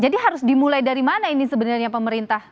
jadi harus dimulai dari mana ini sebenarnya pemerintah